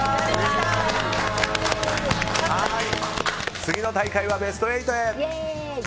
次の大会はベスト８へ！